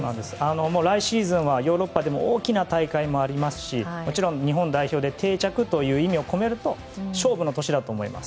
来シーズンはヨーロッパで大きな大会もありますしもちろん、日本代表で定着という意味を込めると勝負の年だと思います。